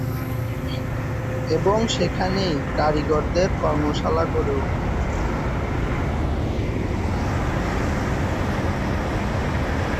এবং সেখানেই কারিগরদের কর্মশালা গড়ে উঠে।